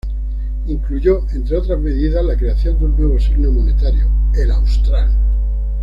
Incluyó, entre otras medidas, la creación de un nuevo signo monetario, el austral.